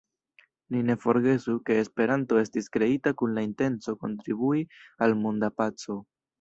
Ni ne forgesu, ke Esperanto estis kreita kun la intenco kontribui al monda paco.